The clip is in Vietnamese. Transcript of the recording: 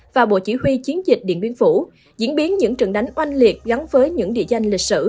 và bộ chỉ huy chiến dịch điện biên phủ diễn biến những trận đánh oanh liệt gắn với những địa danh lịch sử